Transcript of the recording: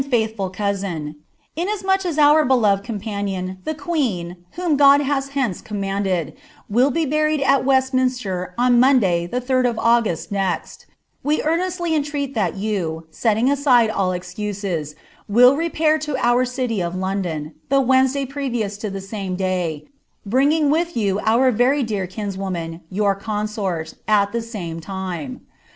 3S1 ■y^BT BSAB AVD YAITHTUL COUtlSr,* " Inasmuch as our beloved companion, the queen, (whom God has hence eommandcd,) will be buried at Westminister, on Monday the third of August next, we earnestly entreat that you (setting aside all excuses) will repair to our eity of London, the Wednesday previous to the same day, bringing with you our ▼ery dear Linswoman, your consort, at tlie same time.